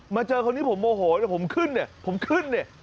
เจอคนนี้ผมโมโหแต่ผมขึ้นเนี่ยผมขึ้นเนี่ย